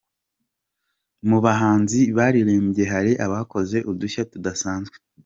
Mu bahanzi baririmbye hari abakoze udushya tudasanzwe.